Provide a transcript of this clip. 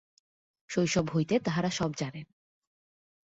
শৈশব হইতে তাঁহারা সব জানেন।